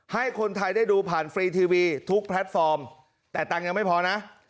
ให้คนไทยได้ดูผ่านฟรีทีวีทุกแพลตฟอร์มแต่ตังค์ยังไม่พอนะ